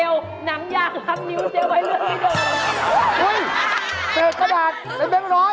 อุ๊ยเศษกระดาษเล็กน้อย